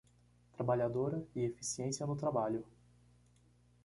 Trabalhadora e eficiência no trabalho